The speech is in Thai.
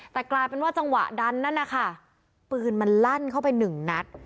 แต่กลายเป็นว่าจังหวะดันนั่นนะคะปืนมันลั่นเข้าไปหนึ่งนัด